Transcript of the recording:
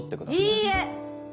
いいえ！